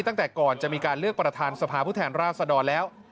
ตั้งแต่ก่อนจะมีการเลือกประธานสภาผู้แทนราชดรแล้ว